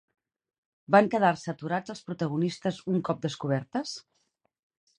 Van quedar-se aturats els protagonistes un cop descobertes?